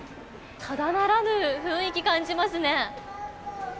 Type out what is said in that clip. ただならぬ雰囲気、感じますね。